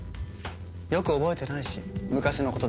よく覚えてないし昔の事だから。